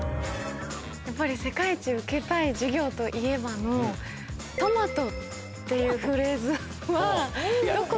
やっぱり『世界一受けたい授業』といえばの「トマト」っていうフレーズはどこかに。